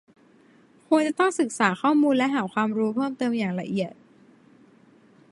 ควรจะต้องศึกษาข้อมูลและหาความรู้เพิ่มเติมอย่างละเอียด